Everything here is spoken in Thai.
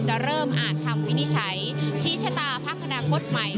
เริ่มอ่านคำวินิจฉัยชี้ชะตาพักอนาคตใหม่